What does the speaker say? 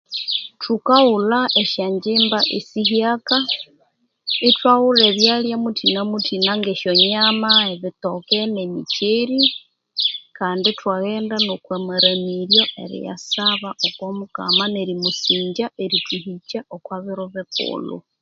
Thukaghulha esyongyimba esihyaka, ithwaghulha ebyalya muthina muthina ngesyo nyama, ebitoke, nemikyeri, kandi ithwaghenda nokwamaramiryo eriyasaba okwa mukama nerimusingya erithuhikya okwa biro bikulhu.